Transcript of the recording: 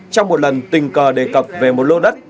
trong một lần tình cờ đề cập về một lô đất